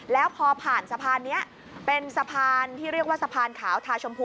แล้วพอผ่านสะพานนี้เป็นสะพานที่เรียกว่าสะพานขาวทาชมพู